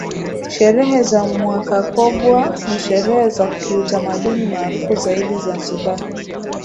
Sherehe za mwakakogwa ni sherehe za kiutamaduni maarufu zaidi Zanzibar